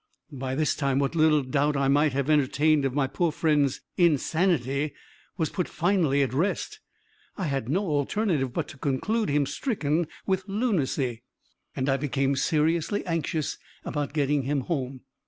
By this time what little doubt I might have entertained of my poor friend's insanity was put finally at rest. I had no alternative but to conclude him stricken with lunacy, and I became seriously anxious about getting him home.